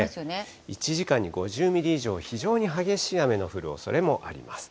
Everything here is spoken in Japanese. １時間に５０ミリ以上、非常に激しい雨の降るおそれもあります。